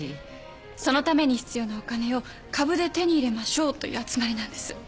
そのために必要なお金を株で手に入れましょうという集まりなんです。